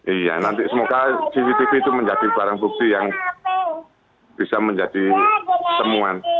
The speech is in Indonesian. iya nanti semoga cctv itu menjadi barang bukti yang bisa menjadi temuan